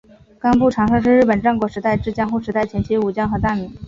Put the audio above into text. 冈部长盛是日本战国时代至江户时代前期武将和大名。